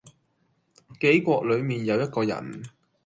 杞國裏面有一個人